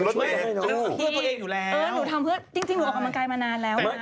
ดูทำเพือบติดจริงออกกำลังกายมานานแล้ว